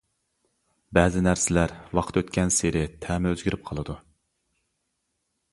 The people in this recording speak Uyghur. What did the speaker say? بەزى نەرسىلەر، ۋاقىت ئۆتكەنسېرى، تەمى ئۆزگىرىپ قالىدۇ.